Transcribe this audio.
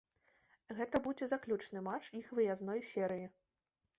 Гэта будзе заключны матч іх выязной серыі.